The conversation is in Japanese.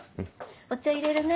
お茶入れるね。